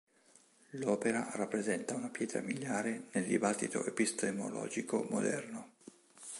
L'opera rappresenta una pietra miliare nel dibattito epistemologico moderno.